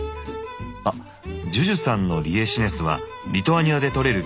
あっＪＵＪＵさんのリエシネスはリトアニアで採れる